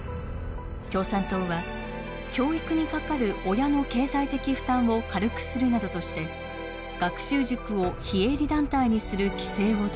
共産党は教育にかかる親の経済的負担を軽くするなどとして学習塾を非営利団体にする規制を導入。